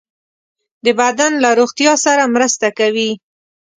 د بدن له روغتیا سره مرسته کوي.